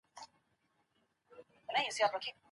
د بېړني حالت دروازې چيري دي؟